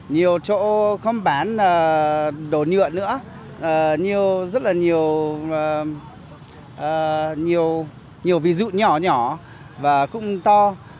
nhiều chỗ không bán đồ nhựa nữa rất là nhiều ví dụ nhỏ nhỏ và cũng to